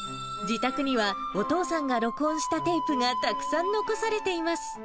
自宅には、お父さんが録音したテープがたくさん残されています。